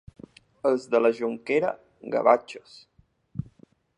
Els de la Jonquera, gavatxos.